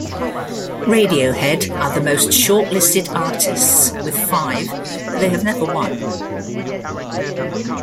Radiohead are the most shortlisted artists with five, but they have never won.